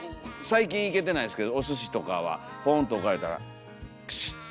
最近行けてないですけどおすしとかはポンと置かれたらカシッ。